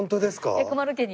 薬丸家に。